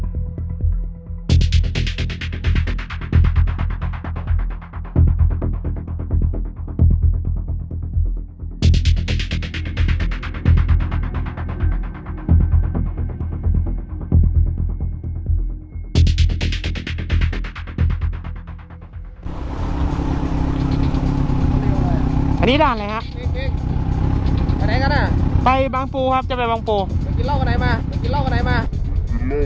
ไปบางปูครับจะไปบางปู